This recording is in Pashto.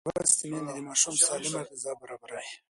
لوستې میندې د ماشوم سالمه غذا برابروي.